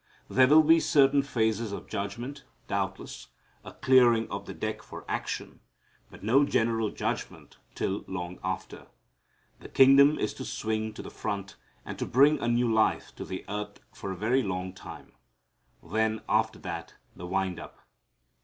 There will be certain phases of judgment, doubtless, a clearing of the deck for action, but no general judgment till long after. The kingdom is to swing to the front, and bring a new life to the earth for a very long time. Then after that the wind up.